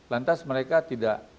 lantas mereka tidak